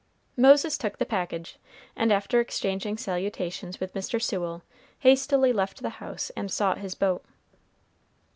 Moses took the package, and after exchanging salutations with Mr. Sewell, hastily left the house and sought his boat.